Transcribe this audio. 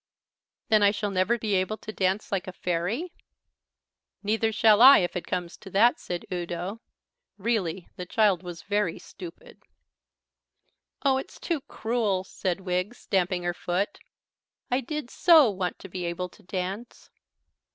"Then I shall never be able to dance like a fairy?" "Neither shall I, if it comes to that," said Udo. Really, the child was very stupid. "Oh, it's too cruel," said Wiggs, stamping her foot. "I did so want to be able to dance."